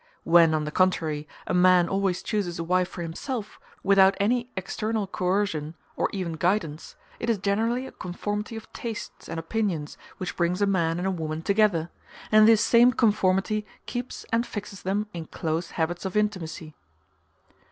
When, on the contrary, a man always chooses a wife for himself, without any external coercion or even guidance, it is generally a conformity of tastes and opinions which brings a man and a woman together, and this same conformity keeps and fixes them in close habits of intimacy.